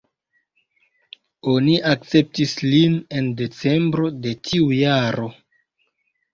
Oni akceptis lin en decembro de tiu jaro.